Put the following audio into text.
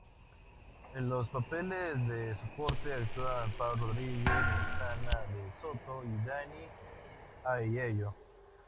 En los papeles de soporte actúan Paul Rodríguez, Rosana DeSoto y Danny Aiello.